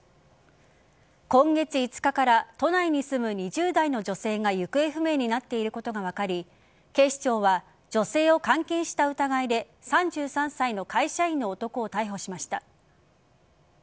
今月５日から都内に住む２０代の女性が行方不明になっていることが分かり警視庁は女性を監禁した疑いで３３歳の会社員の男を逮捕しました。